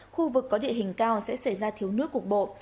khu vực có địa hình cao sẽ xảy ra thiếu nước cục bộ